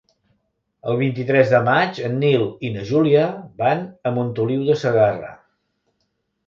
El vint-i-tres de maig en Nil i na Júlia van a Montoliu de Segarra.